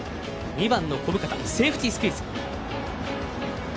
２番の小深田セーフティースクイズ。